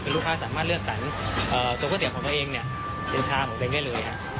คือลูกค้าสามารถเลือกสารตัวก๋วยเตี๋ยวของตัวเองเนี่ยเป็นชาบหรือเป็นแบบนี้เลยฮะ